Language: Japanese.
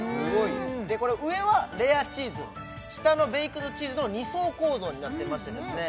これ上はレアチーズ下のベイクドチーズの二層構造になってましてですね